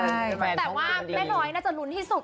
แต่ว่าแม่น้อยน่าจะลุ้นที่สุด